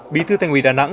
bí thư thanh quỳ đà nẵng